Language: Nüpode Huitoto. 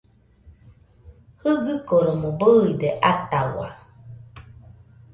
Jɨgɨkoromo bɨide atahau